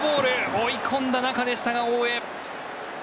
追い込んだ中でしたが大江